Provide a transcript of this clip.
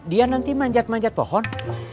dia nanti manjat manjat pohon